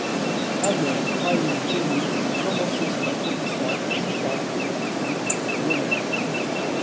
Amel Brahim-Djelloul a commencé son apprentissage musical par l’étude du violon.